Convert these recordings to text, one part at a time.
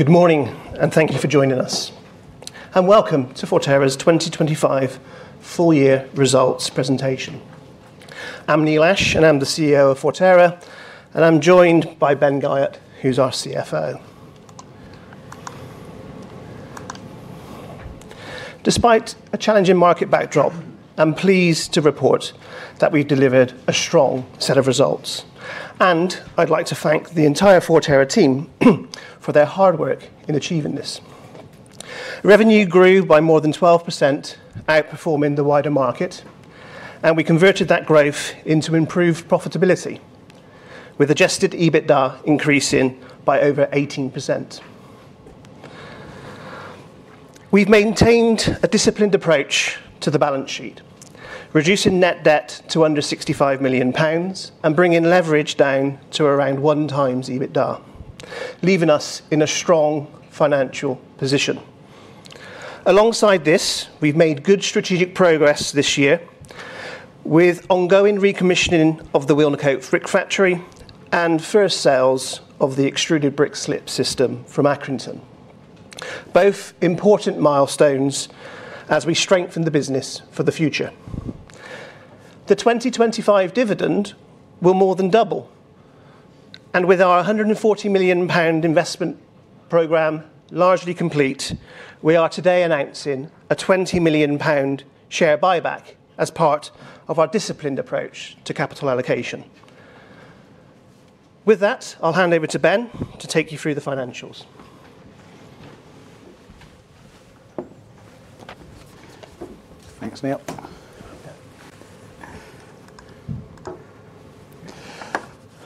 Good morning and thank you for joining us. Welcome to Forterra's 2025 Full Year Results Presentation. I'm Neil Ash, and I'm the CEO of Forterra, and I'm joined by Ben Guyatt, who's our CFO. Despite a challenging market backdrop, I'm pleased to report that we delivered a strong set of results. I'd like to thank the entire Forterra team for their hard work in achieving this. Revenue grew by more than 12%, outperforming the wider market, and we converted that growth into improved profitability with adjusted EBITDA increasing by over 18%. We've maintained a disciplined approach to the balance sheet, reducing net debt to under 65 million pounds and bringing leverage down to around 1x EBITDA, leaving us in a strong financial position. Alongside this, we've made good strategic progress this year with ongoing recommissioning of the Wilnecote brick factory and first sales of the extruded brick slip system from Accrington, both important milestones as we strengthen the business for the future. The 2025 dividend will more than double. With our 140 million pound investment program largely complete, we are today announcing a 20 million pound share buyback as part of our disciplined approach to capital allocation. With that, I'll hand over to Ben to take you through the financials.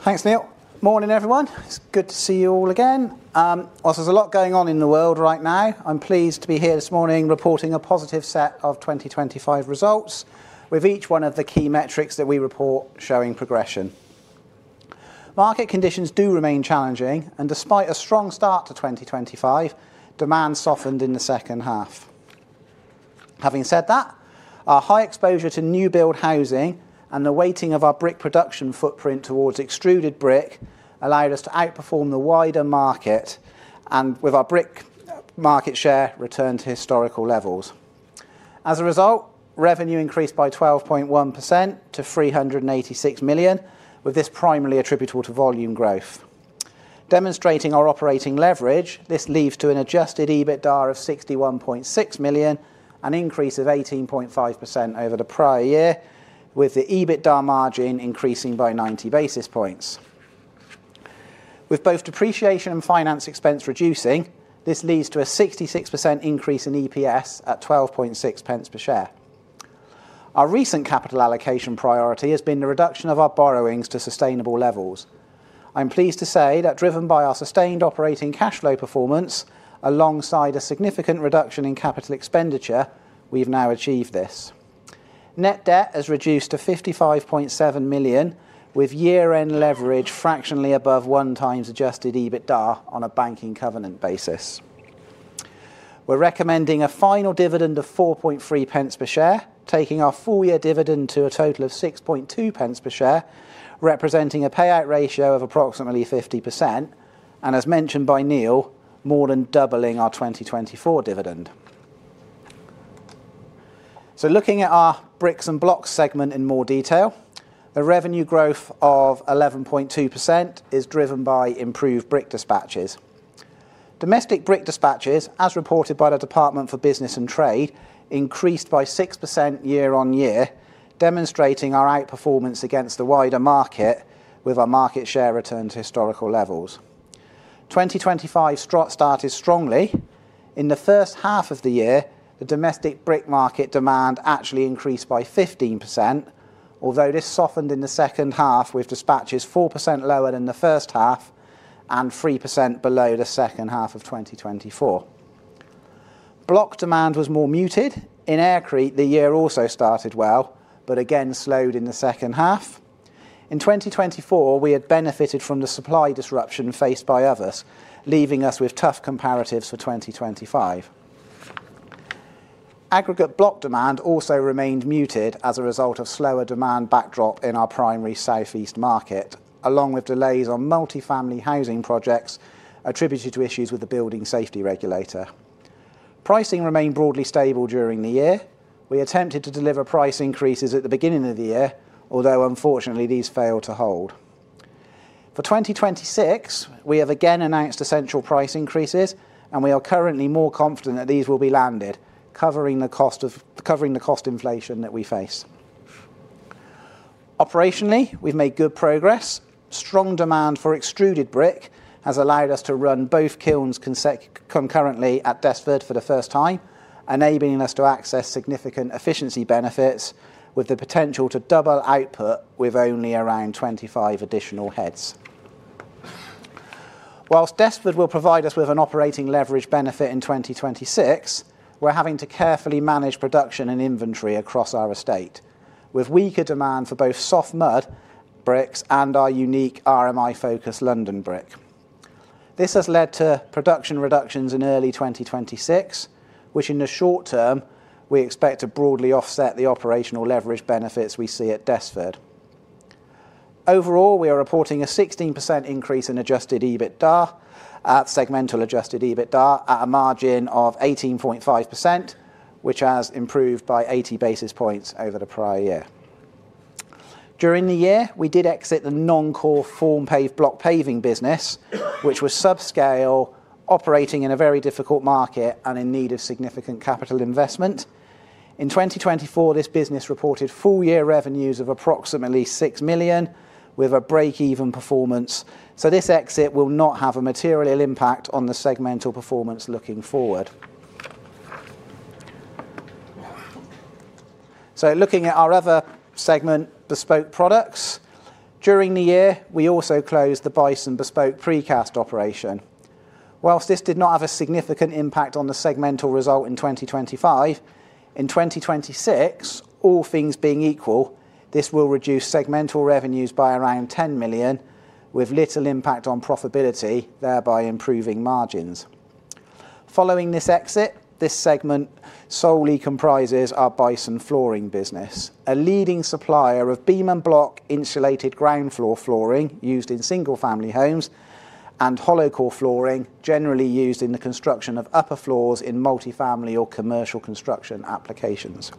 Thanks, Neil. Morning, everyone. It's good to see you all again. While there's a lot going on in the world right now, I'm pleased to be here this morning reporting a positive set of 2025 results with each one of the key metrics that we report showing progression. Market conditions do remain challenging, and despite a strong start to 2025, demand softened in the second half. Having said that, our high exposure to new build housing and the weighting of our brick production footprint towards extruded brick allowed us to outperform the wider market and with our brick market share return to historical levels. As a result, revenue increased by 12.1% to 386 million, with this primarily attributable to volume growth. Demonstrating our operating leverage, this leads to an adjusted EBITDA of 61.6 million, an increase of 18.5% over the prior year, with the EBITDA margin increasing by 90 basis points. With both depreciation and finance expense reducing, this leads to a 66% increase in EPS at 12.6 pence per share. Our recent capital allocation priority has been the reduction of our borrowings to sustainable levels. I'm pleased to say that driven by our sustained operating cash flow performance alongside a significant reduction in capital expenditure, we've now achieved this. Net debt has reduced to 55.7 million, with year-end leverage fractionally above 1x adjusted EBITDA on a banking covenant basis. We're recommending a final dividend of 0.043 per share, taking our full year dividend to a total of 0.062 per share, representing a payout ratio of approximately 50%, and as mentioned by Neil, more than doubling our 2024 dividend. Looking at our bricks and blocks segment in more detail, the revenue growth of 11.2% is driven by improved brick dispatches. Domestic brick dispatches, as reported by the Department for Business and Trade, increased by 6% year-on-year, demonstrating our outperformance against the wider market with our market share return to historical levels. 2025 started strongly. In the first half of the year, the domestic brick market demand actually increased by 15%, although this softened in the second half with dispatches 4% lower than the first half and 3% below the second half of 2024. Block demand was more muted. In Aircrete, the year also started well, but again slowed in the second half. In 2024, we had benefited from the supply disruption faced by others, leaving us with tough comparatives for 2025. Aggregate block demand also remained muted as a result of slower demand backdrop in our primary Southeast market, along with delays on multifamily housing projects attributed to issues with the Building Safety Regulator. Pricing remained broadly stable during the year. We attempted to deliver price increases at the beginning of the year, although unfortunately these failed to hold. For 2026, we have again announced essential price increases, and we are currently more confident that these will be landed, covering the cost inflation that we face. Operationally, we've made good progress. Strong demand for extruded brick has allowed us to run both kilns concurrently at Desford for the first time, enabling us to access significant efficiency benefits with the potential to double output with only around 25 additional heads. While Desford will provide us with an operating leverage benefit in 2026, we're having to carefully manage production and inventory across our estate, with weaker demand for both soft mud bricks and our unique RMI-focused London Brick. This has led to production reductions in early 2026, which in the short term, we expect to broadly offset the operational leverage benefits we see at Desford. Overall, we are reporting a 16% increase in adjusted EBITDA at segmental adjusted EBITDA at a margin of 18.5%, which has improved by 80 basis points over the prior year. During the year, we did exit the non-core Formpave block paving business, which was subscale operating in a very difficult market and in need of significant capital investment. In 2024, this business reported full year revenues of approximately 6 million with a break-even performance. This exit will not have a material impact on the segmental performance looking forward. Looking at our other segment, Bespoke Products. During the year, we also closed the Bison Bespoke precast operation. While this did not have a significant impact on the segmental result in 2025, in 2026, all things being equal, this will reduce segmental revenues by around 10 million with little impact on profitability, thereby improving margins. Following this exit, this segment solely comprises our Bison Flooring business, a leading supplier of Beam and Block insulated ground floor flooring used in single-family homes and hollow core flooring, generally used in the construction of upper floors in multifamily or commercial construction applications.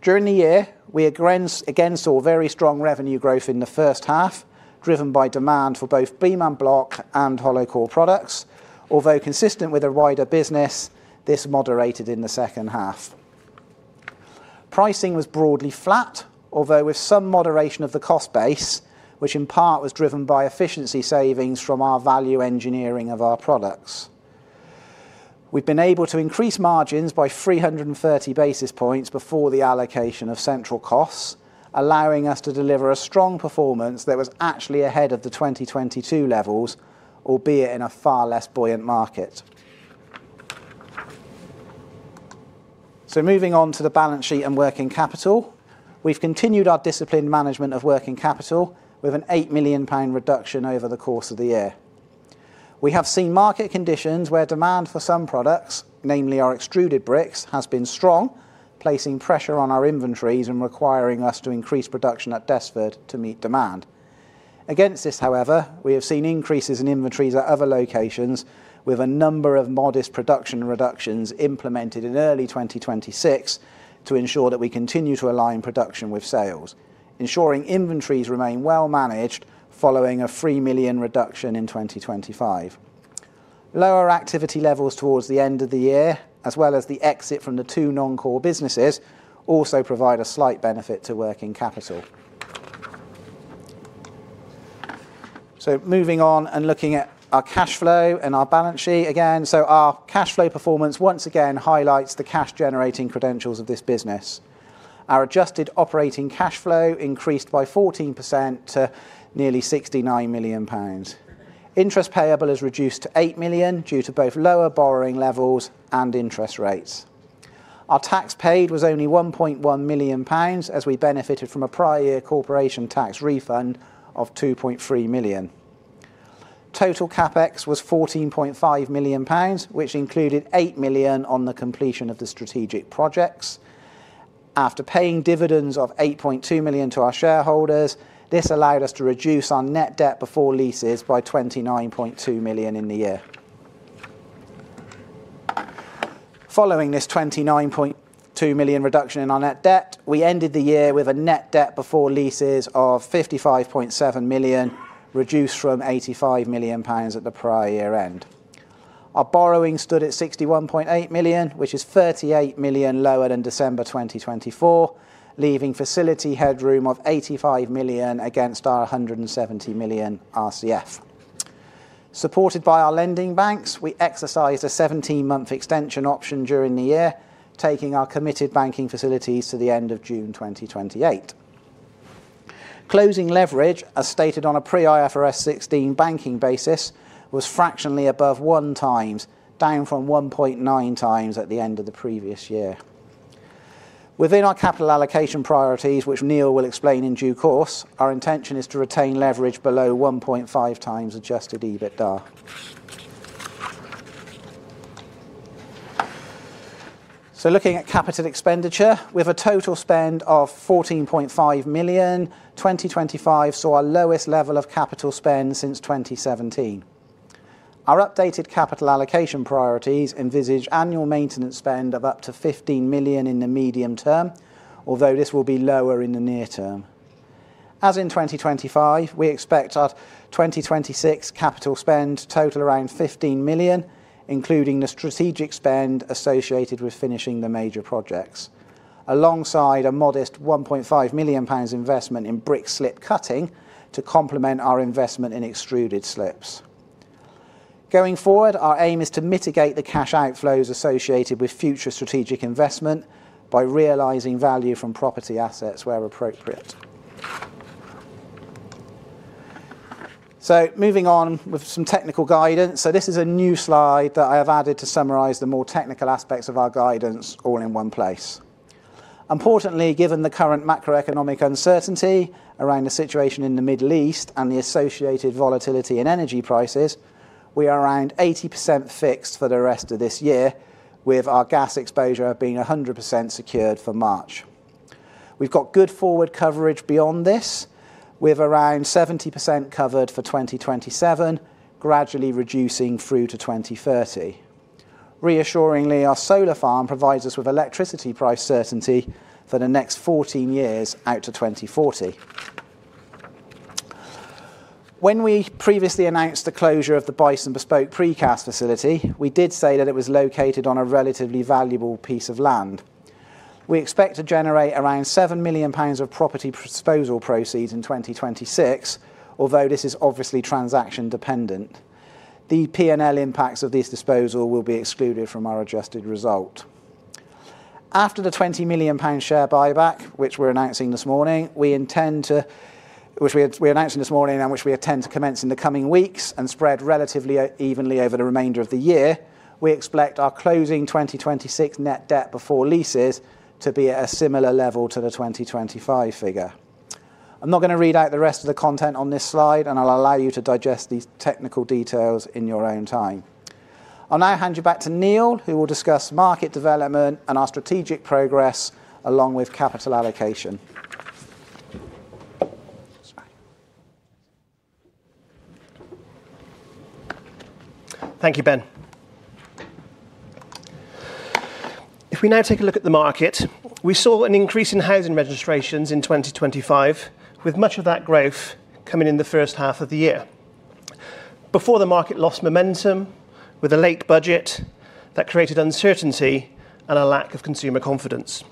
During the year, we again saw very strong revenue growth in the first half, driven by demand for both Beam and Block and hollow core products. Although consistent with a wider business, this moderated in the second half. Pricing was broadly flat, although with some moderation of the cost base, which in part was driven by efficiency savings from our value engineering of our products. We've been able to increase margins by 330 basis points before the allocation of central costs, allowing us to deliver a strong performance that was actually ahead of the 2022 levels, albeit in a far less buoyant market. Moving on to the balance sheet and working capital. We've continued our disciplined management of working capital with a 8 million pound reduction over the course of the year. We have seen market conditions where demand for some products, namely our extruded bricks, has been strong, placing pressure on our inventories and requiring us to increase production at Desford to meet demand. Against this, however, we have seen increases in inventories at other locations with a number of modest production reductions implemented in early 2026 to ensure that we continue to align production with sales, ensuring inventories remain well managed following a 3 million reduction in 2025. Lower activity levels towards the end of the year, as well as the exit from the two non-core businesses, also provide a slight benefit to working capital. Moving on and looking at our cash flow and our balance sheet again. Our cash flow performance once again highlights the cash generating credentials of this business. Our adjusted operating cash flow increased by 14% to nearly 69 million pounds. Interest payable is reduced to 8 million due to both lower borrowing levels and interest rates. Our tax paid was only 1.1 million pounds as we benefited from a prior year corporation tax refund of 2.3 million. Total CapEx was 14.5 million pounds, which included 8 million on the completion of the strategic projects. After paying dividends of 8.2 million to our shareholders, this allowed us to reduce our net debt before leases by 29.2 million in the year. Following this 29.2 million reduction in our net debt, we ended the year with a net debt before leases of 55.7 million, reduced from 85 million pounds at the prior year end. Our borrowing stood at 61.8 million, which is 38 million lower than December 2024, leaving facility headroom of 85 million against our 170 million RCF. Supported by our lending banks, we exercised a 17-month extension option during the year, taking our committed banking facilities to the end of June 2028. Closing leverage, as stated on a pre IFRS 16 banking basis, was fractionally above 1x, down from 1.9x at the end of the previous year. Within our capital allocation priorities, which Neil will explain in due course, our intention is to retain leverage below 1.5x adjusted EBITDA. Looking at capital expenditure. With a total spend of 14.5 million, 2025 saw our lowest level of capital spend since 2017. Our updated capital allocation priorities envisage annual maintenance spend of up to 15 million in the medium term, although this will be lower in the near term. In 2025, we expect our 2026 capital spend to total around 15 million, including the strategic spend associated with finishing the major projects, alongside a modest 1.5 million pounds investment in brick slip cutting to complement our investment in extruded slips. Going forward, our aim is to mitigate the cash outflows associated with future strategic investment by realizing value from property assets where appropriate. Moving on with some technical guidance. This is a new slide that I have added to summarize the more technical aspects of our guidance all in one place. Importantly, given the current macroeconomic uncertainty around the situation in the Middle East and the associated volatility in energy prices. We are around 80% fixed for the rest of this year, with our gas exposure being 100% secured for March. We've got good forward coverage beyond this, with around 70% covered for 2027, gradually reducing through to 2030. Reassuringly, our solar farm provides us with electricity price certainty for the next 14 years out to 2040. When we previously announced the closure of the Bison Bespoke precast facility, we did say that it was located on a relatively valuable piece of land. We expect to generate around 7 million pounds of property disposal proceeds in 2026, although this is obviously transaction dependent. The P&L impacts of this disposal will be excluded from our adjusted result. After the 20 million pound share buyback, which we're announcing this morning, we intend to. Which we are announcing this morning and which we intend to commence in the coming weeks and spread relatively evenly over the remainder of the year, we expect our closing 2026 net debt before leases to be at a similar level to the 2025 figure. I'm not gonna read out the rest of the content on this slide, and I'll allow you to digest these technical details in your own time. I'll now hand you back to Neil, who will discuss market development and our strategic progress along with capital allocation. Thank you, Ben. If we now take a look at the market, we saw an increase in housing registrations in 2025, with much of that growth coming in the first half of the year. Before the market lost momentum with a late budget that created uncertainty and a lack of consumer confidence.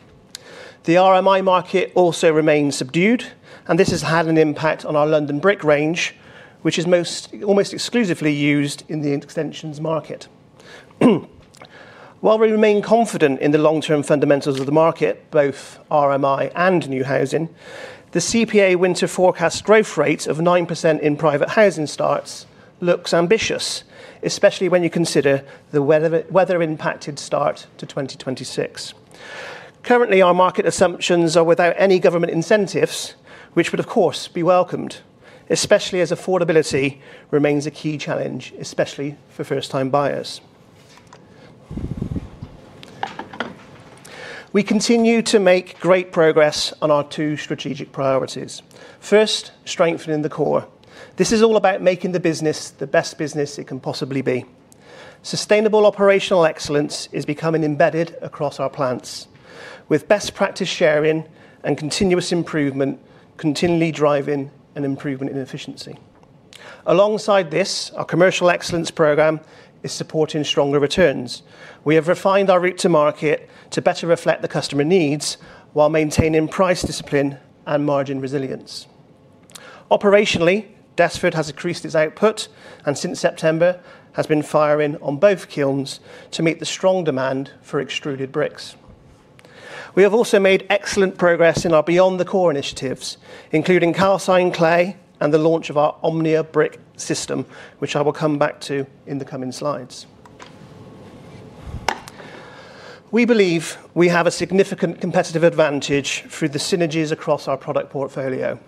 The RMI market also remains subdued, and this has had an impact on our London Brick range, which is almost exclusively used in the extensions market. While we remain confident in the long-term fundamentals of the market, both RMI and new housing, the CPA winter forecast growth rate of 9% in private housing starts looks ambitious, especially when you consider the weather impacted start to 2026. Currently, our market assumptions are without any government incentives, which would of course be welcomed, especially as affordability remains a key challenge, especially for first time buyers. We continue to make great progress on our two strategic priorities. First, strengthening the core. This is all about making the business the best business it can possibly be. Sustainable operational excellence is becoming embedded across our plants with best practice sharing and continuous improvement, continually driving an improvement in efficiency. Alongside this, our commercial excellence program is supporting stronger returns. We have refined our route to market to better reflect the customer needs while maintaining price discipline and margin resilience. Operationally, Desford has increased its output and since September has been firing on both kilns to meet the strong demand for extruded bricks. We have also made excellent progress in our beyond the core initiatives, including calcined clay and the launch of our Omnia brick system, which I will come back to in the coming slides. We believe we have a significant competitive advantage through the synergies across our product portfolio.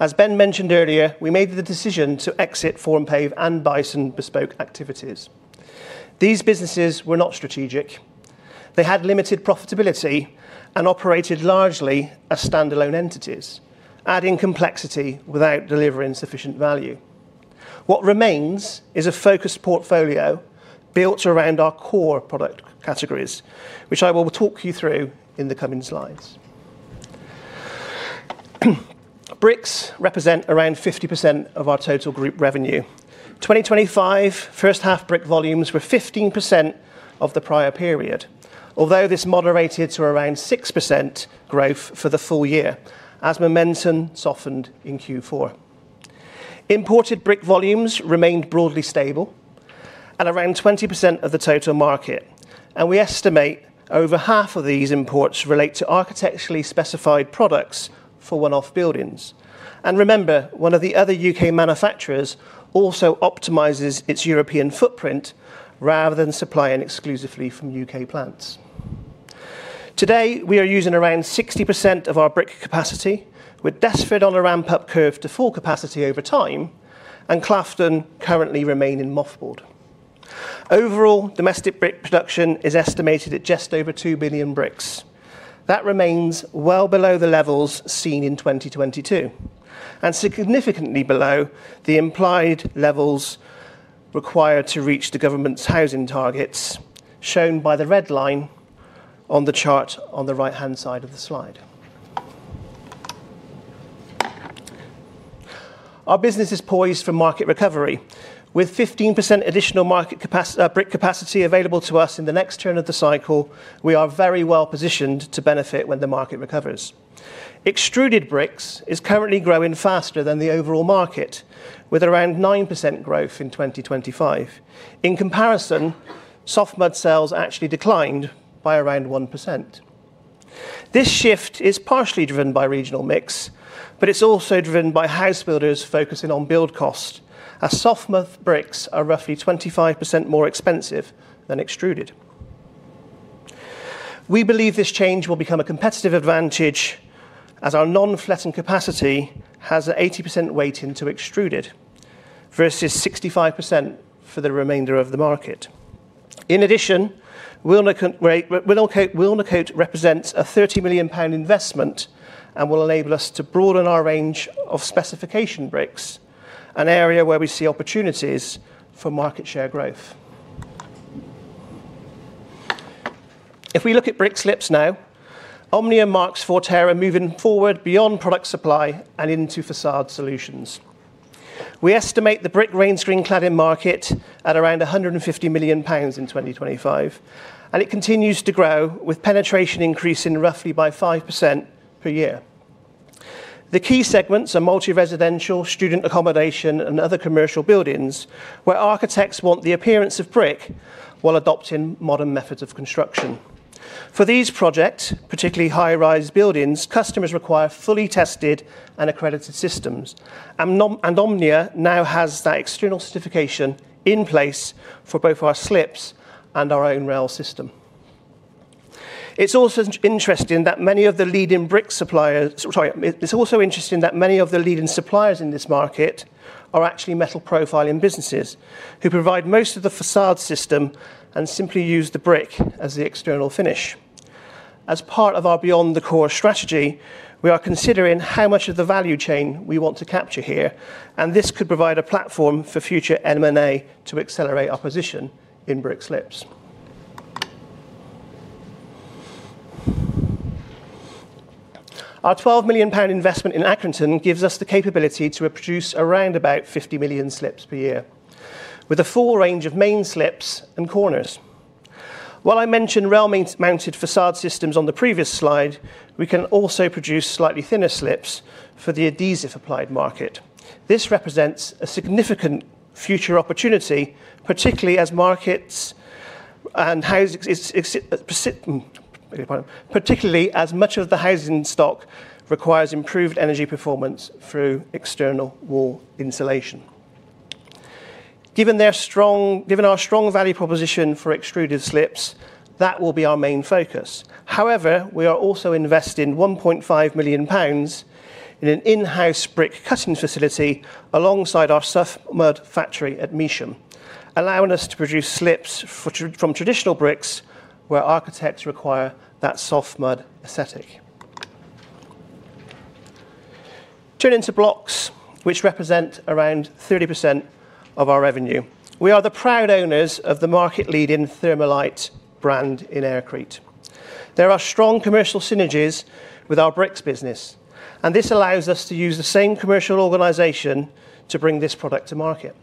As Ben mentioned earlier, we made the decision to exit Formpave and Bison Bespoke activities. These businesses were not strategic. They had limited profitability and operated largely as standalone entities, adding complexity without delivering sufficient value. What remains is a focused portfolio built around our core product categories, which I will talk you through in the coming slides. Bricks represent around 50% of our total group revenue. 2025 first half brick volumes were 15% of the prior period, although this moderated to around 6% growth for the full year as momentum softened in Q4. Imported brick volumes remained broadly stable at around 20% of the total market, and we estimate over half of these imports relate to architecturally specified products for one-off buildings. Remember, one of the other U.K. manufacturers also optimizes its European footprint rather than supplying exclusively from U.K. plants. Today, we are using around 60% of our brick capacity, with Desford on a ramp-up curve to full capacity over time and Claughton currently remains mothballed. Overall, domestic brick production is estimated at just over 2 billion bricks. That remains well below the levels seen in 2022 and significantly below the implied levels required to reach the government's housing targets, shown by the red line on the chart on the right-hand side of the slide. Our business is poised for market recovery. With 15% additional brick capacity available to us in the next turn of the cycle, we are very well positioned to benefit when the market recovers. Extruded bricks is currently growing faster than the overall market, with around 9% growth in 2025. In comparison, soft mud sales actually declined by around 1%. This shift is partially driven by regional mix, but it's also driven by house builders focusing on build cost, as soft mud bricks are roughly 25% more expensive than extruded. We believe this change will become a competitive advantage as our non-flatting capacity has a 80% weight into extruded versus 65% for the remainder of the market. In addition, Wilnecote represents a 30 million pound investment and will enable us to broaden our range of specification bricks, an area where we see opportunities for market share growth. If we look at brick slips now, Omnia marks Forterra moving forward beyond product supply and into façade solutions. We estimate the brick rainscreen cladding market at around 150 million pounds in 2025, and it continues to grow with penetration increasing roughly by 5% per year. The key segments are multi-residential, student accommodation, and other commercial buildings where architects want the appearance of brick while adopting modern methods of construction. For these projects, particularly high-rise buildings, customers require fully tested and accredited systems. Omnia now has that external certification in place for both our slips and our own rail system. It's also interesting that many of the leading suppliers in this market are actually metal profiling businesses who provide most of the façade system and simply use the brick as the external finish. As part of our beyond the core strategy, we are considering how much of the value chain we want to capture here, and this could provide a platform for future M&A to accelerate our position in brick slips. Our 12 million pound investment in Accrington gives us the capability to produce around about 50 million slips per year, with a full range of main slips and corners. While I mentioned rail-mounted façade systems on the previous slide, we can also produce slightly thinner slips for the adhesive applied market. This represents a significant future opportunity, particularly as much of the housing stock requires improved energy performance through external wall insulation. Given our strong value proposition for extruded slips, that will be our main focus. However, we are also investing 1.5 million pounds in an in-house brick cutting facility alongside our soft mud factory at Measham, allowing us to produce slips from traditional bricks where architects require that soft mud aesthetic. Turning to blocks, which represent around 30% of our revenue. We are the proud owners of the market-leading Thermalite brand in Aircrete. There are strong commercial synergies with our bricks business, and this allows us to use the same commercial organization to bring this product to market.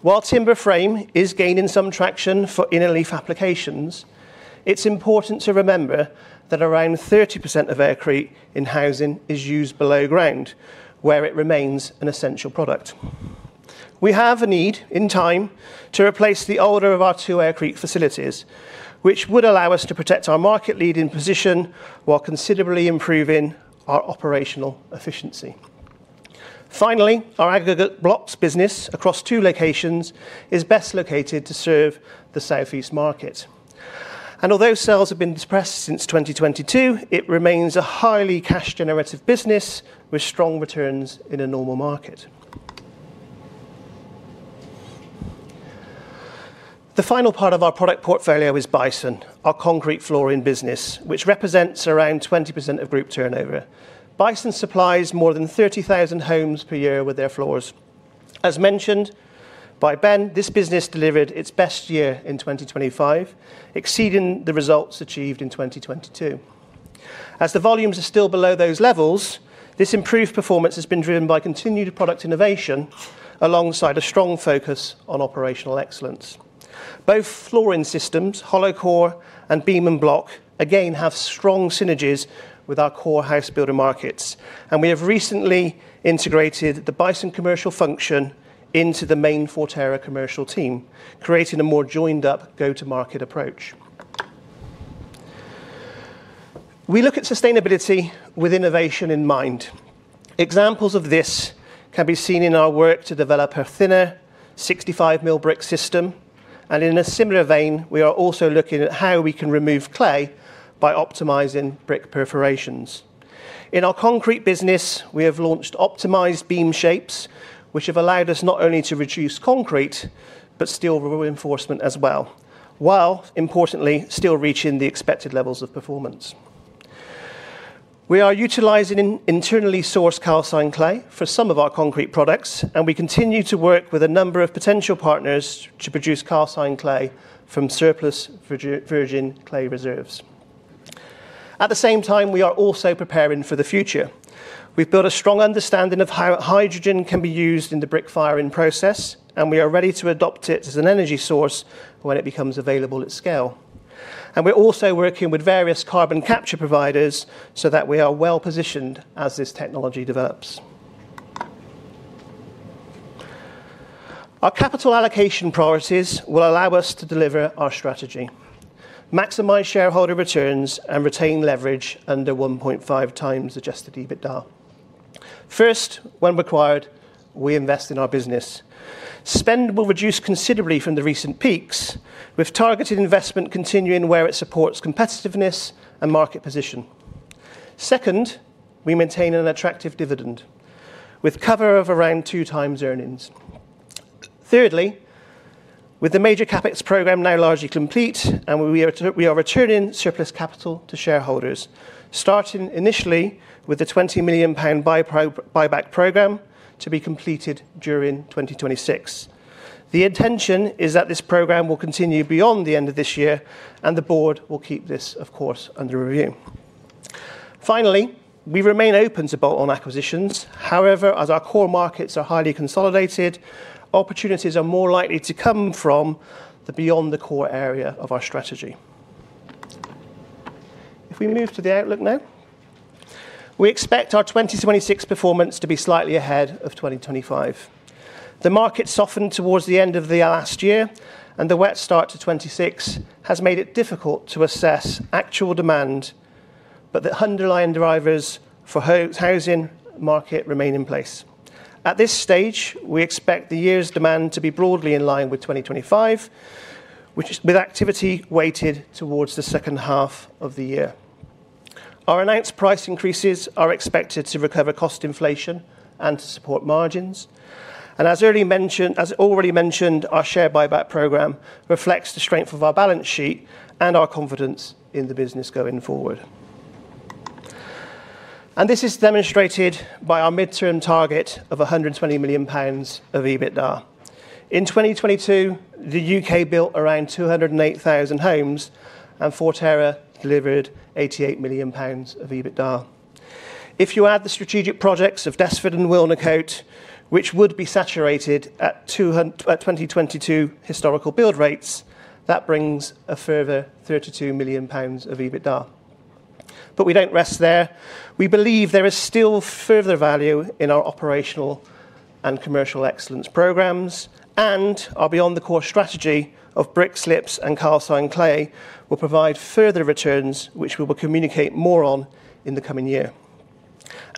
While timber frame is gaining some traction for inner leaf applications, it's important to remember that around 30% of Aircrete in housing is used below ground, where it remains an essential product. We have a need, in time, to replace the older of our two Aircrete facilities, which would allow us to protect our market-leading position while considerably improving our operational efficiency. Finally, our aggregate blocks business across two locations is best located to serve the Southeast market. Although sales have been depressed since 2022, it remains a highly cash-generative business with strong returns in a normal market. The final part of our product portfolio is Bison, our concrete flooring business, which represents around 20% of group turnover. Bison supplies more than 30,000 homes per year with their floors. As mentioned by Ben, this business delivered its best year in 2025, exceeding the results achieved in 2022. As the volumes are still below those levels, this improved performance has been driven by continued product innovation alongside a strong focus on operational excellence. Both flooring systems, hollow core and Beam and Block, again have strong synergies with our core house builder markets, and we have recently integrated the Bison commercial function into the main Forterra commercial team, creating a more joined-up go-to-market approach. We look at sustainability with innovation in mind. Examples of this can be seen in our work to develop a thinner 65 mil brick system. In a similar vein, we are also looking at how we can remove clay by optimizing brick perforations. In our concrete business, we have launched optimized beam shapes, which have allowed us not only to reduce concrete but steel reinforcement as well, while importantly still reaching the expected levels of performance. We are utilizing internally sourced calcined clay for some of our concrete products, and we continue to work with a number of potential partners to produce calcined clay from surplus virgin clay reserves. At the same time, we are also preparing for the future. We've built a strong understanding of how hydrogen can be used in the brick-firing process, and we are ready to adopt it as an energy source when it becomes available at scale. We're also working with various carbon capture providers so that we are well-positioned as this technology develops. Our capital allocation priorities will allow us to deliver our strategy, maximize shareholder returns, and retain leverage under 1.5x adjusted EBITDA. First, when required, we invest in our business. Spend will reduce considerably from the recent peaks, with targeted investment continuing where it supports competitiveness and market position. Second, we maintain an attractive dividend with cover of around 2x earnings. Thirdly, with the major CapEx program now largely complete and we are returning surplus capital to shareholders, starting initially with the 20 million pound buyback program to be completed during 2026. The intention is that this program will continue beyond the end of this year, and the board will keep this, of course, under review. Finally, we remain open to bolt-on acquisitions. However, as our core markets are highly consolidated, opportunities are more likely to come from beyond the core area of our strategy. If we move to the outlook now. We expect our 2026 performance to be slightly ahead of 2025. The market softened towards the end of the last year, and the wet start to 2026 has made it difficult to assess actual demand, but the underlying drivers for housing market remain in place. At this stage, we expect the year's demand to be broadly in line with 2025, which, with activity weighted towards the second half of the year. Our announced price increases are expected to recover cost inflation and to support margins. As already mentioned, our share buyback program reflects the strength of our balance sheet and our confidence in the business going forward. This is demonstrated by our midterm target of 120 million pounds of EBITDA. In 2022, the U.K. built around 208,000 homes, and Forterra delivered 88 million pounds of EBITDA. If you add the strategic projects of Desford and Wilnecote, which would be saturated at 2022 historical build rates, that brings a further 32 million pounds of EBITDA. We don't rest there. We believe there is still further value in our operational and commercial excellence programs, and our beyond the core strategy of brick slips and calcined clay will provide further returns, which we will communicate more on in the coming year.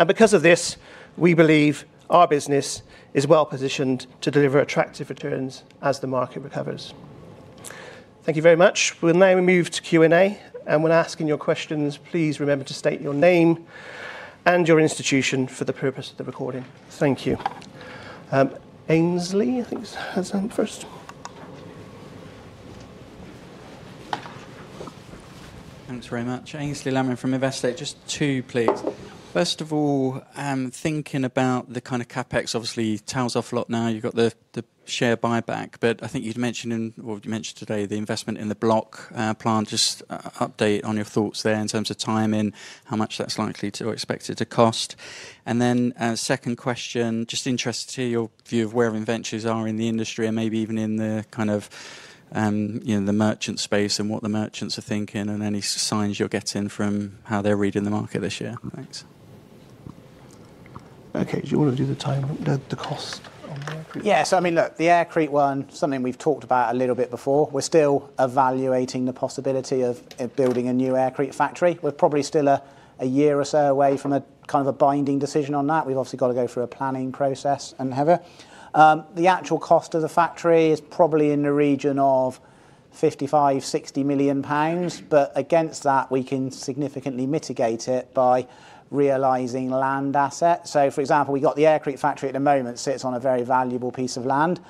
Because of this, we believe our business is well-positioned to deliver attractive returns as the market recovers. Thank you very much. We'll now move to Q&A. When asking your questions, please remember to state your name and your institution for the purpose of the recording. Thank you. Aynsley, I think has hand first. Thanks very much. Aynsley Lamond from Investec. Just two, please. First of all, thinking about the kind of CapEx, obviously tails off a lot now. You've got the share buyback. I think you'd mentioned or you mentioned today the investment in the block plant. Just update on your thoughts there in terms of timing, how much that's likely to or expected to cost. Second question, just interested to hear your view of where inventories are in the industry and maybe even in the kind of, you know, the merchant space and what the merchants are thinking and any signs you're getting from how they're reading the market this year. Thanks. Okay. Do you wanna do the cost on the Aircrete one? I mean, look, the aircrete one, something we've talked about a little bit before. We're still evaluating the possibility of building a new aircrete factory. We're probably still a year or so away from a kind of a binding decision on that. We've obviously got to go through a planning process and whatever. The actual cost of the factory is probably in the region of 55 million-60 million pounds. Against that, we can significantly mitigate it by realizing land asset. For example, we got the aircrete factory at the moment sits on a very valuable piece of land.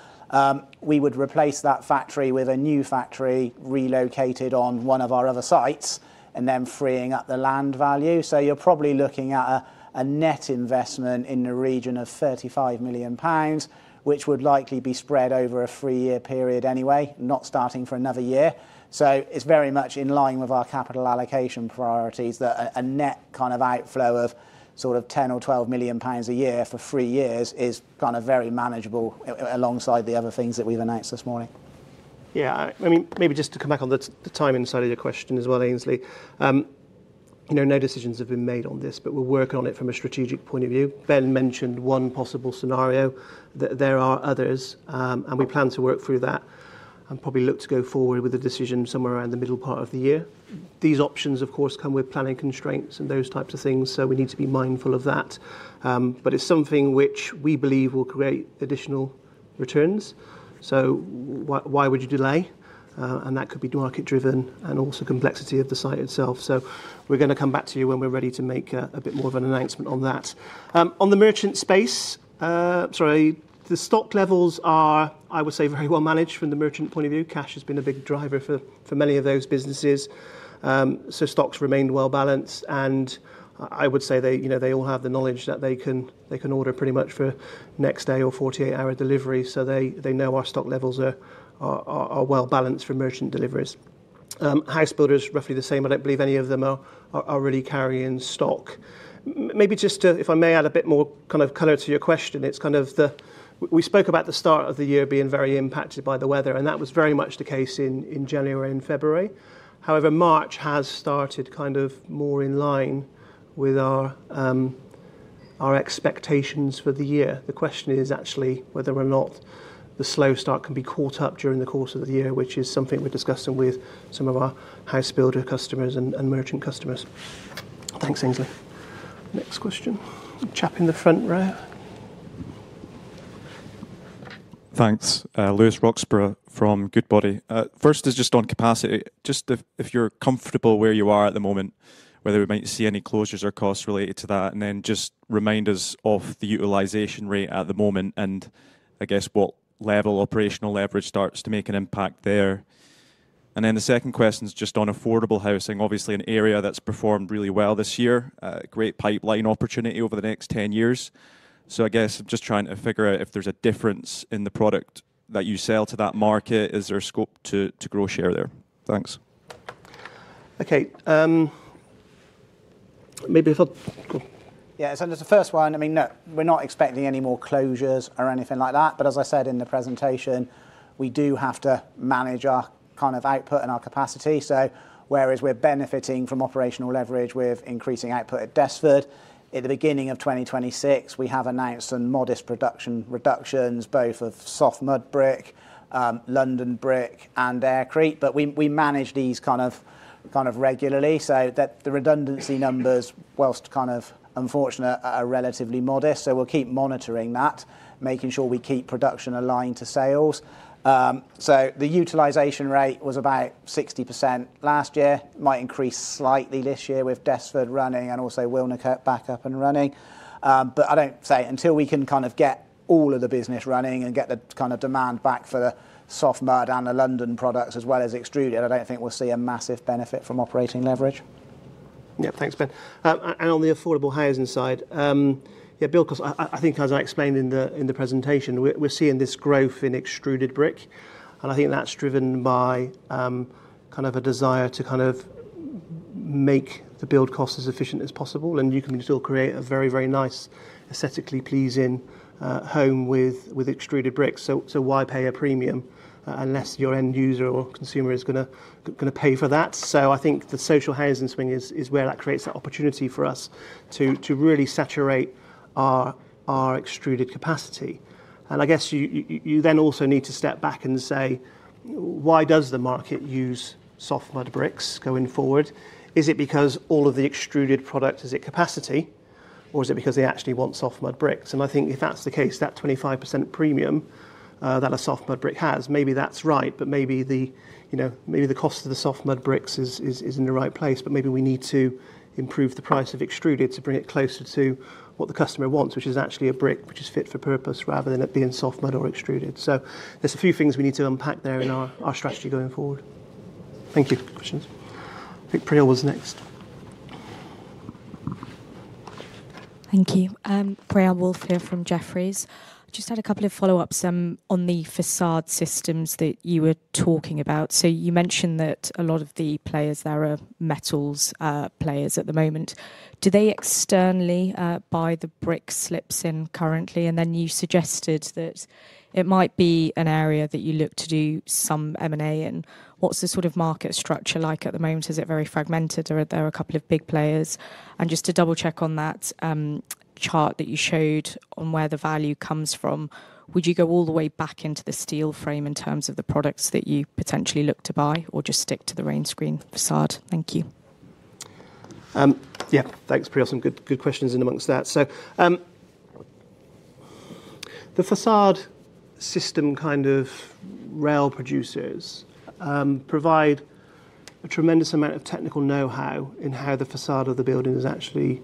We would replace that factory with a new factory relocated on one of our other sites and then freeing up the land value. You're probably looking at a net investment in the region of 35 million pounds, which would likely be spread over a three-year period anyway, not starting for another year. It's very much in line with our capital allocation priorities that a net kind of outflow of sort of 10 or 12 million pounds a year for three years is kinda very manageable alongside the other things that we've announced this morning. Yeah. I mean, maybe just to come back on the timing side of your question as well, Aynsley. You know, no decisions have been made on this, but we're working on it from a strategic point of view. Ben mentioned one possible scenario. There are others, and we plan to work through that and probably look to go forward with a decision somewhere around the middle part of the year. These options, of course, come with planning constraints and those types of things, so we need to be mindful of that. But it's something which we believe will create additional returns. Why would you delay? That could be market driven and also complexity of the site itself. We're gonna come back to you when we're ready to make a bit more of an announcement on that. On the merchant space, sorry, the stock levels are, I would say, very well managed from the merchant point of view. Cash has been a big driver for many of those businesses. Stocks remain well balanced, and I would say they, you know, they all have the knowledge that they can order pretty much for next day or 48-hour delivery. They know our stock levels are well balanced for merchant deliveries. House builders, roughly the same. I don't believe any of them are really carrying stock. Maybe just to, if I may add a bit more kind of color to your question, it's kind of we spoke about the start of the year being very impacted by the weather, and that was very much the case in January and February. However, March has started kind of more in line with our expectations for the year. The question is actually whether or not the slow start can be caught up during the course of the year, which is something we're discussing with some of our house builder customers and merchant customers. Thanks, Aynsley. Next question. Chap in the front row. Thanks. Lewis Roxburgh from Goodbody. First is just on capacity. Just if you're comfortable where you are at the moment, whether we might see any closures or costs related to that. Then just remind us of the utilization rate at the moment, and I guess what level operational leverage starts to make an impact there. Then the second question is just on affordable housing. Obviously, an area that's performed really well this year, great pipeline opportunity over the next 10 years. I guess just trying to figure out if there's a difference in the product that you sell to that market, is there scope to grow share there? Thanks. Okay. Go on. Yeah. On the first one, I mean, no, we're not expecting any more closures or anything like that. As I said in the presentation, we do have to manage our kind of output and our capacity. Whereas we're benefiting from operational leverage with increasing output at Desford, at the beginning of 2026, we have announced some modest production reductions both of soft mud brick, London Brick and Aircrete. We manage these kind of regularly so that the redundancy numbers, while kind of unfortunate, are relatively modest. We'll keep monitoring that, making sure we keep production aligned to sales. The utilization rate was about 60% last year. It might increase slightly this year with Desford running and also Wilnecote back up and running. I don't see until we can kind of get all of the business running and get the kind of demand back for the soft mud and the London Brick products as well as extruded. I don't think we'll see a massive benefit from operating leverage. Yeah. Thanks, Ben. And on the affordable housing side, yeah, Bill, 'cause I think as I explained in the presentation, we're seeing this growth in extruded brick, and I think that's driven by kind of a desire to kind of make the build cost as efficient as possible. You can still create a very nice aesthetically pleasing home with extruded bricks. Why pay a premium unless your end user or consumer is gonna pay for that? I think the social housing swing is where that creates that opportunity for us to really saturate our extruded capacity. I guess you then also need to step back and say, why does the market use soft mud bricks going forward? Is it because all of the extruded product is at capacity, or is it because they actually want soft mud bricks? I think if that's the case, that 25% premium that a soft mud brick has, maybe that's right. Maybe the, you know, maybe the cost of the soft mud bricks is in the right place. Maybe we need to improve the price of extruded to bring it closer to what the customer wants, which is actually a brick which is fit for purpose rather than it being soft mud or extruded. There's a few things we need to unpack there in our strategy going forward. Thank you for the questions. I think Priyal was next. Thank you. Priyal Woolf here from Jefferies. Just had a couple of follow-ups on the façade systems that you were talking about. You mentioned that a lot of the players there are metals players at the moment. Do they externally buy the brick slips in currently? And then you suggested that it might be an area that you look to do some M&A. What's the sort of market structure like at the moment? Is it very fragmented, or are there a couple of big players? And just to double check on that chart that you showed on where the value comes from, would you go all the way back into the steel frame in terms of the products that you potentially look to buy or just stick to the rainscreen façade? Thank you. Yeah. Thanks, Priyal. Some good questions among that. The facade system kind of real producers provide a tremendous amount of technical know-how in how the facade of the building is actually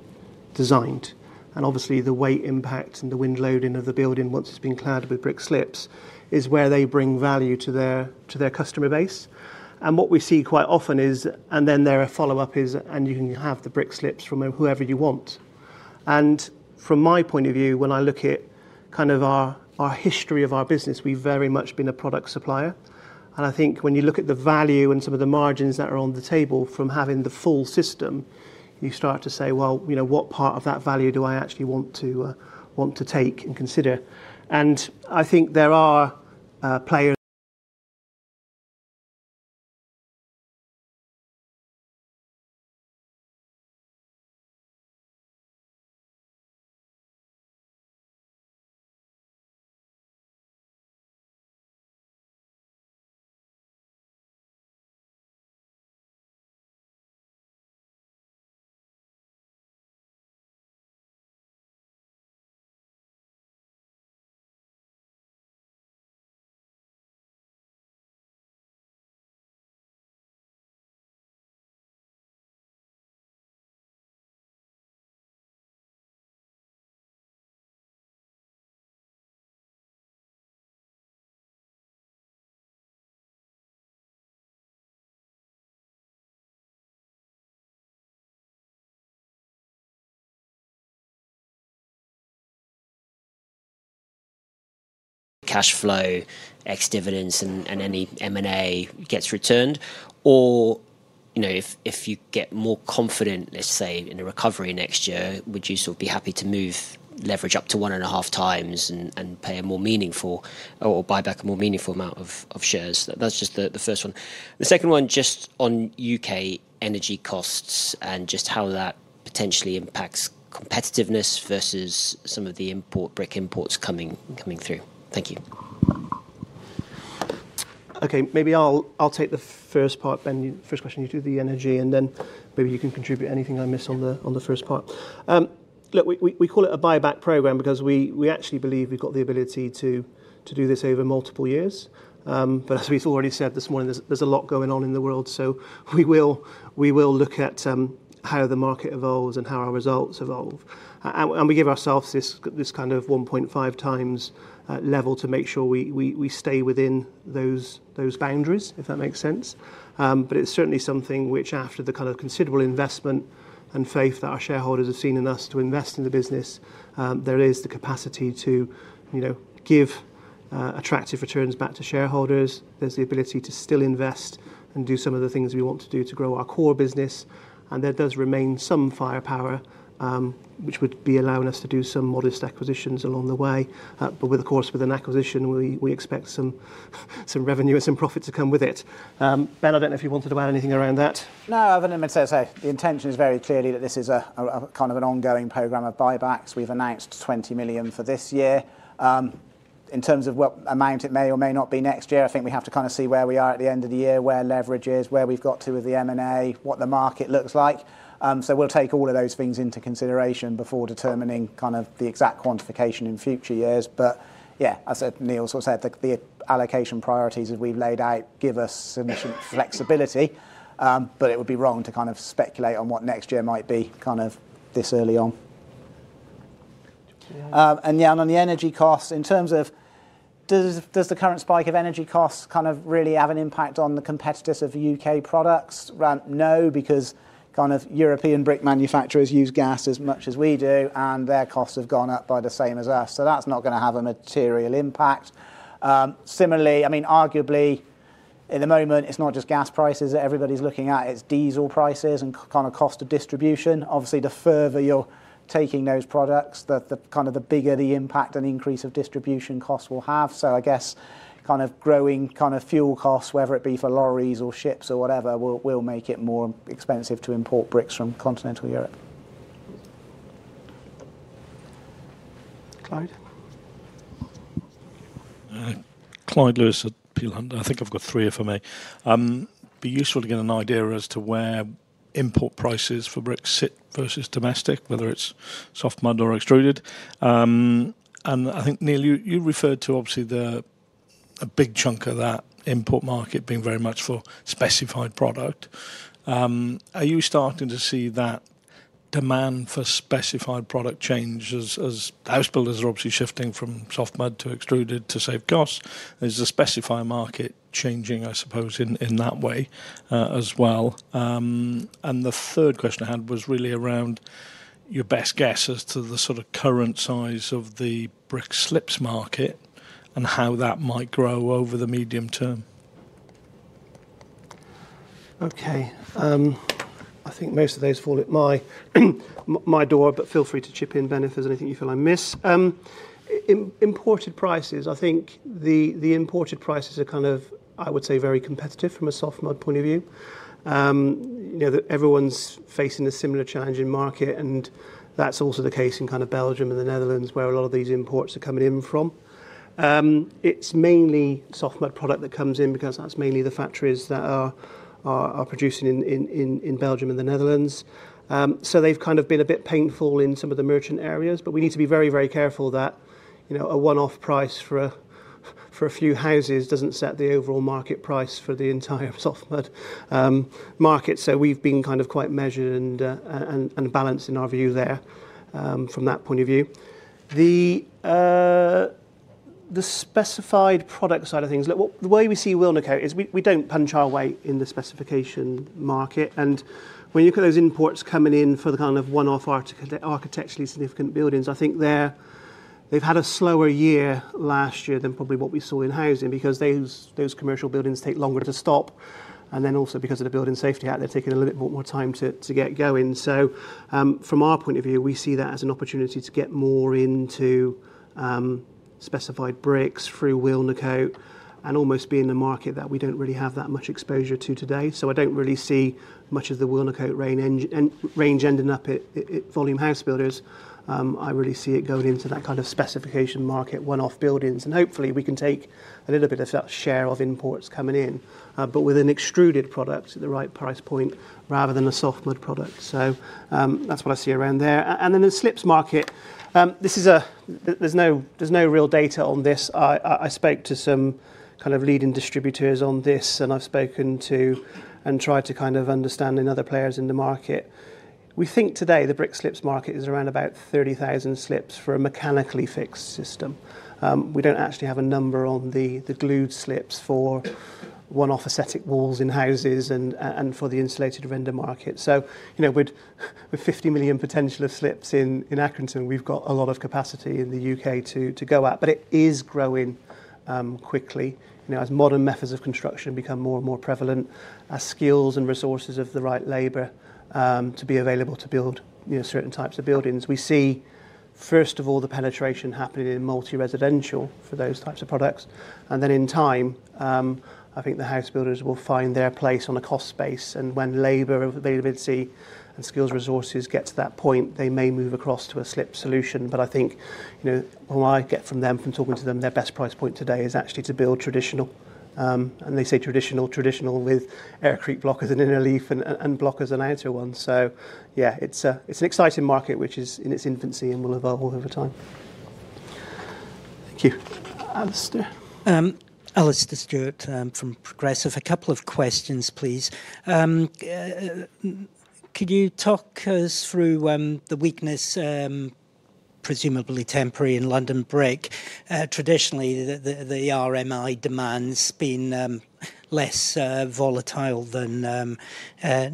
designed. Obviously the weight impact and the wind loading of the building once it's been clad with brick slips is where they bring value to their customer base. What we see quite often is, and then their follow-up is, "And you can have the brick slips from whoever you want." From my point of view, when I look at kind of our history of our business, we've very much been a product supplier. I think when you look at the value and some of the margins that are on the table from having the full system, you start to say, "Well, you know, what part of that value do I actually want to, want to take and consider?" I think there are, players- Cash flow, ex-dividends and any M&A gets returned. Or, you know, if you get more confident, let's say, in a recovery next year, would you sort of be happy to move leverage up to 1.5x and pay a more meaningful or buy back a more meaningful amount of shares? That's just the first one. The second one just on U.K. energy costs and just how that potentially impacts competitiveness versus some of the import brick imports coming through. Thank you. Okay, maybe I'll take the first part, Ben, you first question, you do the energy, and then maybe you can contribute anything I miss on the first part. Look, we call it a buyback program because we actually believe we've got the ability to do this over multiple years. As we've already said this morning, there's a lot going on in the world, so we will look at how the market evolves and how our results evolve. We give ourselves this kind of 1.5x level to make sure we stay within those boundaries, if that makes sense. It's certainly something which after the kind of considerable investment and faith that our shareholders have seen in us to invest in the business, there is the capacity to, you know, give attractive returns back to shareholders. There's the ability to still invest and do some of the things we want to do to grow our core business, and there does remain some firepower, which would be allowing us to do some modest acquisitions along the way. Of course, with an acquisition, we expect some revenue and some profit to come with it. Ben, I don't know if you wanted to add anything around that. No, other than to say the intention is very clearly that this is a kind of an ongoing program of buybacks. We've announced 20 million for this year. In terms of what amount it may or may not be next year, I think we have to kind of see where we are at the end of the year, where leverage is, where we've got to with the M&A, what the market looks like. We'll take all of those things into consideration before determining kind of the exact quantification in future years. Yeah, as Neil sort of said, the allocation priorities that we've laid out give us sufficient flexibility, but it would be wrong to kind of speculate on what next year might be kind of this early on. Yeah, on the energy costs, in terms of does the current spike of energy costs kind of really have an impact on the competitors of U.K. Products? Well, no, because kind of European brick manufacturers use gas as much as we do, and their costs have gone up by the same as us. That's not gonna have a material impact. Similarly, I mean, arguably, at the moment, it's not just gas prices that everybody's looking at, it's diesel prices and kind of cost of distribution. Obviously, the further you're taking those products, the bigger the impact and increase of distribution costs will have. I guess kind of growing kind of fuel costs, whether it be for lorries or ships or whatever, will make it more expensive to import bricks from continental Europe. Clyde. Clyde Lewis at Peel Hunt. I think I've got three here for me. Be useful to get an idea as to where import prices for bricks sit versus domestic, whether it's soft mud or extruded. I think, Neil, you referred to obviously a big chunk of that import market being very much for specified product. Are you starting to see that demand for specified product change as house builders are obviously shifting from soft mud to extruded to save costs? Is the specified market changing, I suppose, in that way as well? The third question I had was really around your best guess as to the sort of current size of the brick slips market and how that might grow over the medium term. Okay. I think most of those fall at my door, but feel free to chip in, Ben, if there's anything you feel I miss. Imported prices, I think the imported prices are kind of, I would say, very competitive from a soft mud point of view. You know, everyone's facing a similar challenge in market, and that's also the case in kind of Belgium and the Netherlands, where a lot of these imports are coming in from. It's mainly soft mud product that comes in because that's mainly the factories that are producing in Belgium and the Netherlands. They've kind of been a bit painful in some of the merchant areas, but we need to be very, very careful that, you know, a one-off price for a few houses doesn't set the overall market price for the entire soft mud market. We've been kind of quite measured and balanced in our view there, from that point of view. The specified product side of things. Look, the way we see Wilnecote is we don't punch our weight in the specification market. When you look at those imports coming in for the kind of one-off architecturally significant buildings, I think they're They've had a slower year last year than probably what we saw in housing because those commercial buildings take longer to start, and then also because of the Building Safety Act, they're taking a little bit more time to get going. From our point of view, we see that as an opportunity to get more into specified bricks through Wilnecote and almost be in the market that we don't really have that much exposure to today. I don't really see much of the Wilnecote range ending up at volume house builders. I really see it going into that kind of specification market, one-off buildings. Hopefully, we can take a little bit of that share of imports coming in, but with an extruded product at the right price point rather than a soft mud product. That's what I see around there. In the slips market, there's no real data on this. I spoke to some kind of leading distributors on this, and I've spoken to and tried to kind of understand other players in the market. We think today the brick slips market is around about 30,000 slips for a mechanically fixed system. We don't actually have a number on the glued slips for one-off aesthetic walls in houses and for the insulated render market. You know, with 50 million potential of slips in Accrington, we've got a lot of capacity in the U.K. to go at. It is growing quickly, you know, as modern methods of construction become more and more prevalent, as skills and resources of the right labor to be available to build, you know, certain types of buildings. We see, first of all, the penetration happening in multi-residential for those types of products. Then in time, I think the house builders will find their place on a cost space, and when labor availability and skills resources get to that point, they may move across to a slip solution. I think, you know, from what I get from them, from talking to them, their best price point today is actually to build traditional, and they say traditional with aircrete blocks in inner leaf and blocks on outer ones. Yeah, it's an exciting market which is in its infancy and will evolve over time. Thank you. Alastair. Alastair Stewart from Progressive. A couple of questions, please. Could you talk us through the weakness, presumably temporary in London Brick? Traditionally, the RMI demand's been less volatile than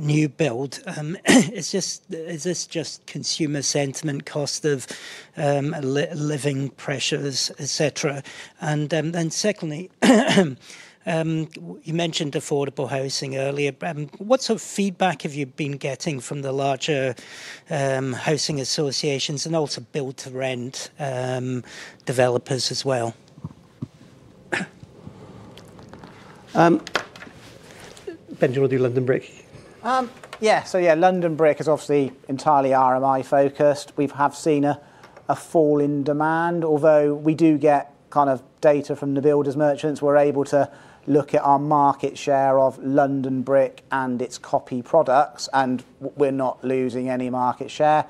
new build. Is this just consumer sentiment, cost of living pressures, et cetera? Then secondly, you mentioned affordable housing earlier. What sort of feedback have you been getting from the larger housing associations and also build-to-rent developers as well? Ben, do you wanna do London Brick? Yeah, London Brick is obviously entirely RMI focused. We've seen a fall in demand, although we do get kind of data from the builders merchants. We're able to look at our market share of London Brick and its copy products, and we're not losing any market share.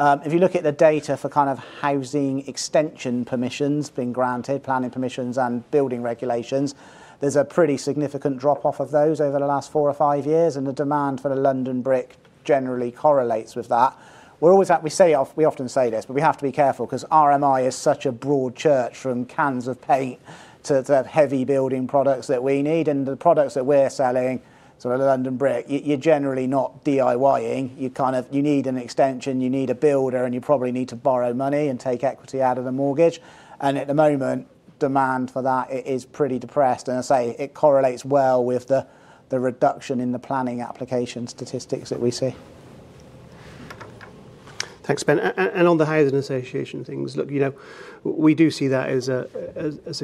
If you look at the data for kind of housing extension permissions being granted, planning permissions and building regulations, there's a pretty significant drop-off of those over the last four or five years, and the demand for the London Brick generally correlates with that. We often say this, but we have to be careful 'cause RMI is such a broad church from cans of paint to the heavy building products that we need and the products that we're selling, so the London Brick, you're generally not DIYing. You kind of, you need an extension, you need a builder, and you probably need to borrow money and take equity out of the mortgage. At the moment, demand for that is pretty depressed. I say it correlates well with the reduction in the planning application statistics that we see. Thanks, Ben. On the housing association things, look, you know, we do see that as a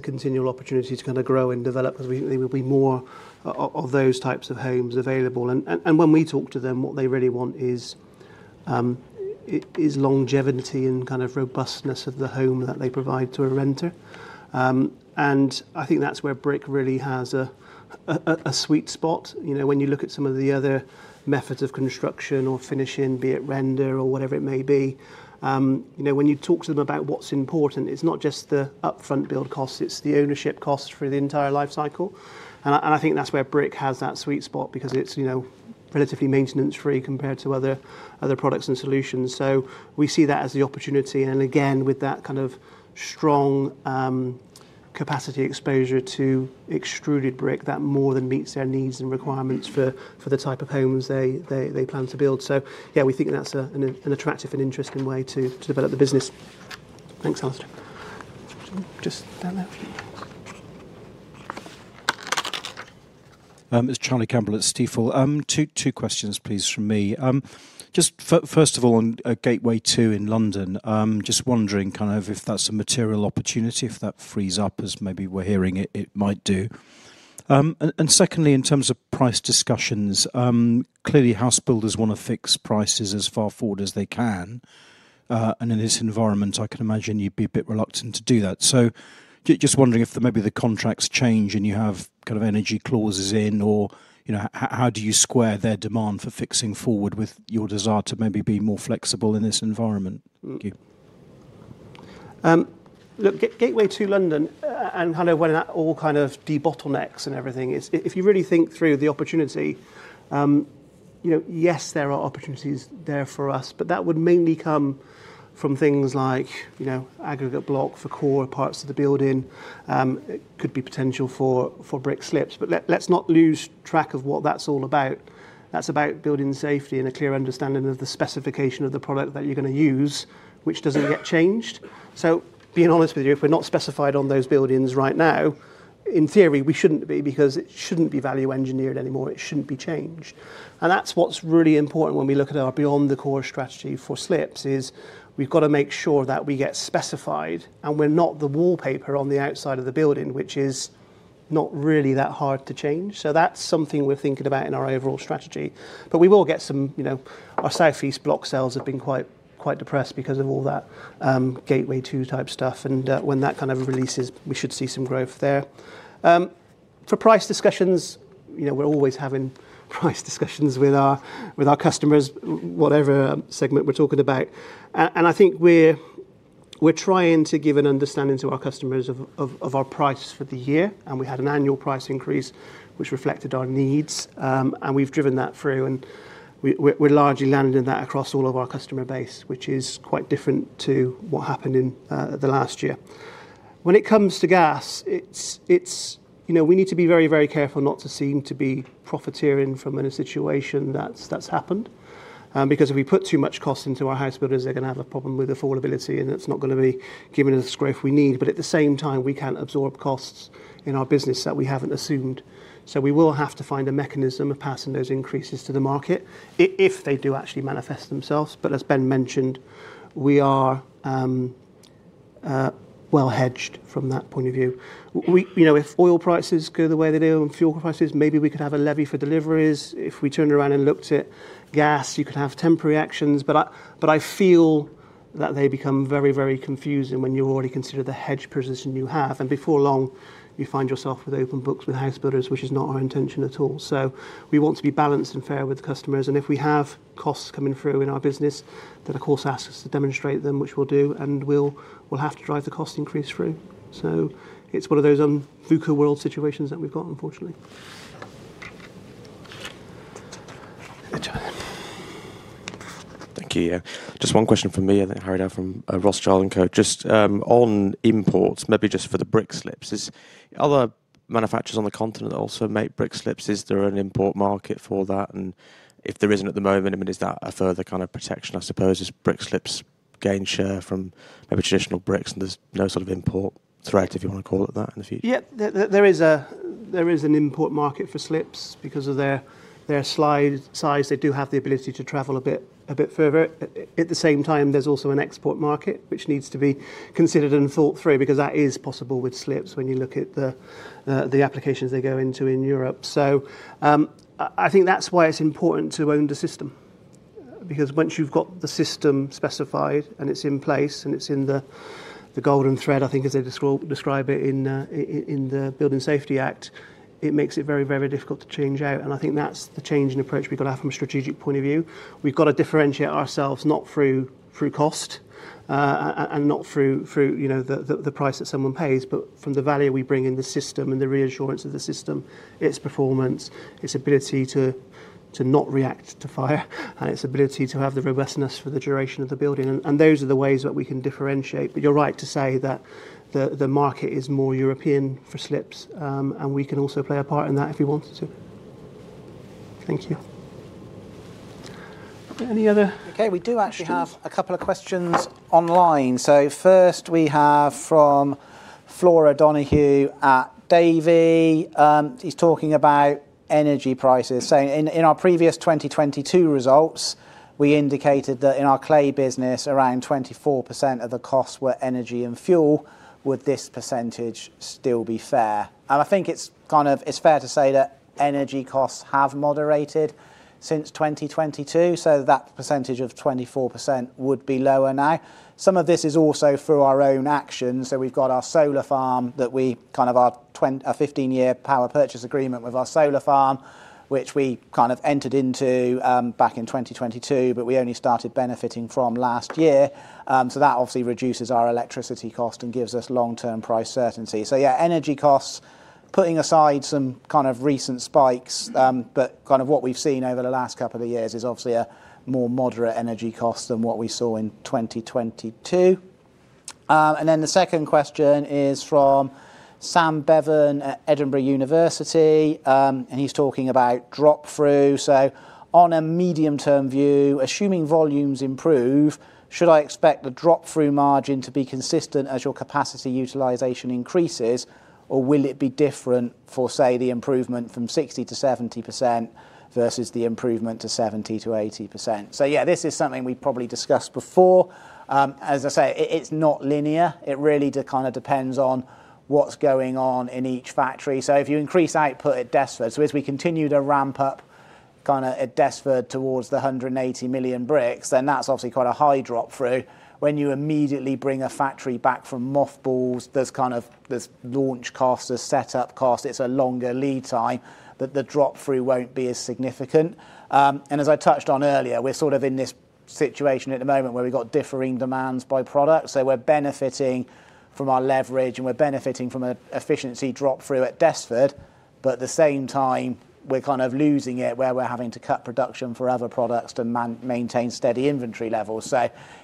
continual opportunity to kinda grow and develop as we, there will be more of those types of homes available. When we talk to them, what they really want is longevity and kind of robustness of the home that they provide to a renter. I think that's where brick really has a sweet spot. You know, when you look at some of the other methods of construction or finishing, be it render or whatever it may be, you know, when you talk to them about what's important, it's not just the upfront build cost, it's the ownership cost for the entire life cycle. I think that's where brick has that sweet spot because it's, you know, relatively maintenance-free compared to other products and solutions. We see that as the opportunity and again, with that kind of strong capacity exposure to extruded brick that more than meets their needs and requirements for the type of homes they plan to build. Yeah, we think that's an attractive and interesting way to develop the business. Thanks, Alastair. Just down there for you. It's Charlie Campbell at Stifel. Two questions please from me. Just first of all, on Gateway 2 in London, just wondering kind of if that's a material opportunity, if that frees up as maybe we're hearing it might do. Secondly, in terms of price discussions, clearly house builders wanna fix prices as far forward as they can. In this environment, I can imagine you'd be a bit reluctant to do that. Just wondering if maybe the contracts change and you have kind of energy clauses in, or you know, how do you square their demand for fixing forward with your desire to maybe be more flexible in this environment? Thank you. Look, Gateway 2 London, and kind of when that all kind of debottlenecks and everything is if you really think through the opportunity, you know, yes, there are opportunities there for us, but that would mainly come from things like, you know, aggregate block for core parts of the building. It could be potential for brick slips, but let's not lose track of what that's all about. That's about building safety and a clear understanding of the specification of the product that you're gonna use, which doesn't get changed. Being honest with you, if we're not specified on those buildings right now, in theory, we shouldn't be because it shouldn't be value engineered anymore. It shouldn't be changed. That's what's really important when we look at our beyond the core strategy for slips, is we've gotta make sure that we get specified and we're not the wallpaper on the outside of the building, which is not really that hard to change. That's something we're thinking about in our overall strategy. We will get some, you know, our South East block sales have been quite depressed because of all that, Gateway 2 type stuff, and when that kind of releases, we should see some growth there. For price discussions, you know, we're always having price discussions with our customers, whatever segment we're talking about. And I think we're trying to give an understanding to our customers of our prices for the year, and we had an annual price increase which reflected our needs. We've driven that through and we largely landed in that across all of our customer base, which is quite different to what happened in the last year. When it comes to gas, it's you know, we need to be very, very careful not to seem to be profiteering from any situation that's happened. Because if we put too much cost into our house builders, they're gonna have a problem with affordability and it's not gonna be giving us the growth we need. At the same time, we can't absorb costs in our business that we haven't assumed. We will have to find a mechanism of passing those increases to the market if they do actually manifest themselves. As Ben mentioned, we are well-hedged from that point of view. You know, if oil prices go the way they do and fuel prices, maybe we could have a levy for deliveries. If we turned around and looked at gas, you could have temporary actions. I feel that they become very, very confusing when you already consider the hedge position you have. Before long, you find yourself with open books with house builders, which is not our intention at all. We want to be balanced and fair with customers, and if we have costs coming through in our business that of course asks us to demonstrate them, which we'll do, and we'll have to drive the cost increase through. It's one of those VUCA world situations that we've got, unfortunately. Thank you. Just one question from me and then Harry from Rothschild & Co. Just, on imports, maybe just for the brick slips. Are other manufacturers on the continent that also make brick slips? Is there an import market for that? If there isn't at the moment, I mean, is that a further kind of protection, I suppose? As brick slips gain share from maybe traditional bricks, and there's no sort of import threat, if you wanna call it that, in the future. Yeah. There is an import market for slips because of their size. They do have the ability to travel a bit further. At the same time, there's also an export market which needs to be considered and thought through because that is possible with slips when you look at the applications they go into in Europe. I think that's why it's important to own the system, because once you've got the system specified and it's in place and it's in the golden thread, I think as they describe it in the Building Safety Act, it makes it very difficult to change out. I think that's the change in approach we've gotta have from a strategic point of view. We've gotta differentiate ourselves not through cost, and not through, you know, the price that someone pays, but from the value we bring in the system and the reassurance of the system, its performance, its ability to not react to fire, and its ability to have the robustness for the duration of the building. Those are the ways that we can differentiate. You're right to say that the market is more European for slips. We can also play a part in that if we wanted to. Thank you. Are there any other questions? Okay. We do actually have a couple of questions online. First, we have from Florence Donahue at Davy. She's talking about energy prices, saying, "In our previous 2022 results, we indicated that in our clay business, around 24% of the costs were energy and fuel. Would this percentage still be fair?" I think it's fair to say that energy costs have moderated since 2022, so that percentage of 24% would be lower now. Some of this is also through our own actions. We've got our solar farm, our 15-year power purchase agreement with our solar farm, which we kind of entered into back in 2022, but we only started benefiting from last year. That obviously reduces our electricity cost and gives us long-term price certainty. Energy costs, putting aside some kind of recent spikes, but kind of what we've seen over the last couple of years is obviously a more moderate energy cost than what we saw in 2022. The second question is from Sam Bevan at University of Edinburgh, and he's talking about drop-through. On a medium-term view, assuming volumes improve, should I expect the drop-through margin to be consistent as your capacity utilization increases, or will it be different for, say, the improvement from 60%-70% versus the improvement to 70%-80%? This is something we probably discussed before. As I say, it's not linear. It really depends on what's going on in each factory. If you increase output at Desford, as we continue to ramp up kinda at Desford towards 180 million bricks, then that's obviously quite a high drop through. When you immediately bring a factory back from mothballs, there's kind of, there's launch costs, there's setup costs, it's a longer lead time, that the drop through won't be as significant. As I touched on earlier, we're sort of in this situation at the moment where we've got differing demands by product. We're benefiting from our leverage, and we're benefiting from a efficiency drop through at Desford, but at the same time, we're kind of losing it, where we're having to cut production for other products to maintain steady inventory levels.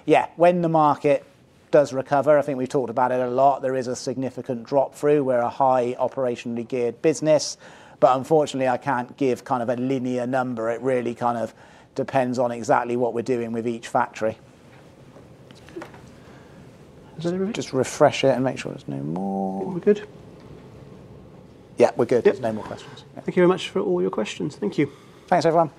Yeah, when the market does recover, I think we've talked about it a lot, there is a significant drop through. We're a high operationally geared business. Unfortunately, I can't give kind of a linear number. It really kind of depends on exactly what we're doing with each factory. Is that it? Just refresh it and make sure there's no more. I think we're good. Yeah, we're good. Yep. There's no more questions. Thank you very much for all your questions. Thank you. Thanks, everyone.